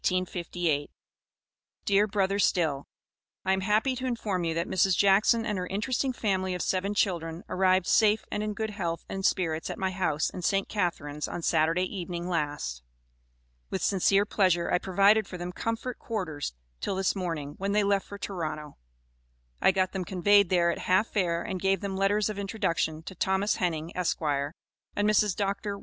DEAR BRO. STILL: I am happy to inform you that Mrs. Jackson and her interesting family of seven children arrived safe and in good health and spirits at my house in St. Catharines, on Saturday evening last. With sincere pleasure I provided for them comfort quarters till this morning, when they left for Toronto. I got them conveyed there at half fare, and gave them letters of introduction to Thomas Henning, Esq., and Mrs. Dr.